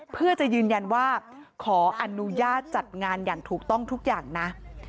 เพื่อจะยืนยันว่าขออนุญาตจัดงานอย่างถูกต้องทุกอย่างนะ